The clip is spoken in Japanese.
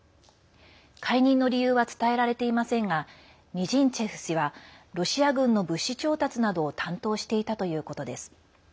解任の理由は伝えられていませんがミジンツェフ氏はロシア軍の物資調達などを担当していたということです。